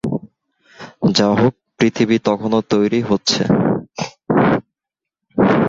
যাহোক পৃথিবী তখনও তৈরি হচ্ছে।